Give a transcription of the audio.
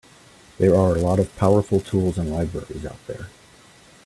There are a lot of powerful tools and libraries out there.